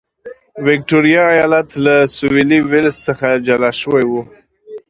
ویکټوریا ایالت له سوېلي ویلز څخه جلا شوی و.